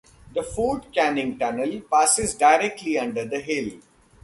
The Fort Canning Tunnel passes directly under the hill.